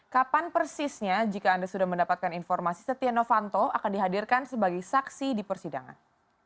kapan persisnya jika anda sudah mendapatkan informasi setia novanto akan dihadirkan sebagai saksi di persidangan